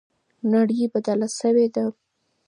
نړۍ بدله سوې ده.